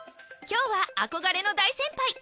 今日は憧れの大先輩！